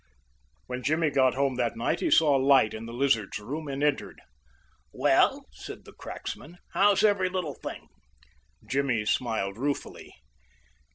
When Jimmy got home that night he saw a light in the Lizard's room and entered. "Well," said the cracksman, "how's every little thing?" Jimmy smiled ruefully.